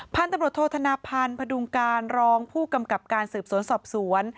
พันธุ์ตำรวจโทษธนพันธ์พดุงการรองผู้กำกับการสืบสวนสอบสวน